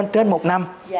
trên một năm